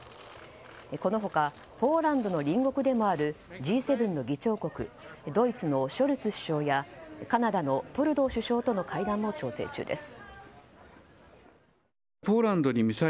この他ポーランドの隣国でもあるＧ７の議長国ドイツのショルツ首相やカナダのトルドー首相との会談も調整中です。